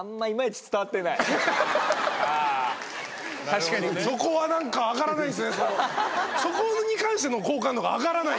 確かにそこは何か上がらないんすね。